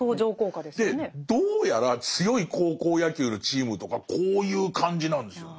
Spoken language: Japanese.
でどうやら強い高校野球のチームとかこういう感じなんですよ。